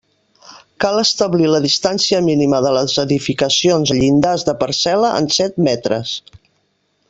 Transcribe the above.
Cal establir la distància mínima de les edificacions a llindars de parcel·la en set metres.